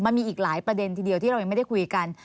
มันมีอีกหลายประเด็นทีเดียวที่เรายังไม่ได้คุยกัน